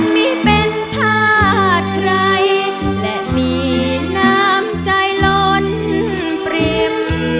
ไม่เป็นธาตุใครและมีน้ำใจล้นปริม